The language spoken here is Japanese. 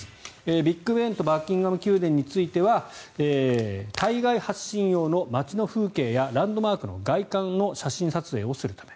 ビッグ・ベンとバッキンガム宮殿については対外発信用の街の風景やランドマークの外観の写真撮影をするため。